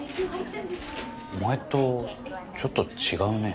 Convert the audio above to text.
前とちょっと違うね。